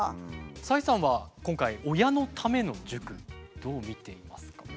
崔さんは今回親のための塾どう見ていますか？